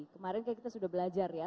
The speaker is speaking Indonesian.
kemarin kita sudah belajar ya